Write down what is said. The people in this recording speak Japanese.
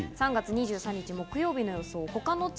３月２３日木曜日の予想。